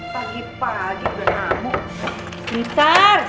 pagi pagi sudah tamu